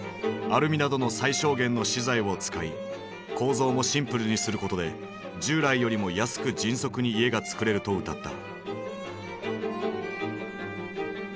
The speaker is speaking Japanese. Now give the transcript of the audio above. アルミなどの最小限の資材を使い構造もシンプルにすることで従来よりも安く迅速に家がつくれるとうたった。